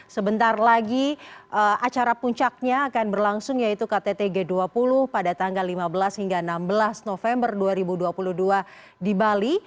sebentar lagi acara puncaknya akan berlangsung yaitu ktt g dua puluh pada tanggal lima belas hingga enam belas november dua ribu dua puluh dua di bali